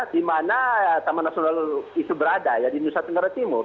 di mana taman nasional itu berada ya di nusa tenggara timur